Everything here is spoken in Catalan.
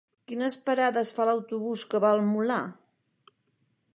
Quines parades fa l'autobús que va al Molar?